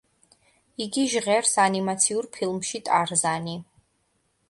იგი ჟღერს ანიმაციურ ფილმში ტარზანი.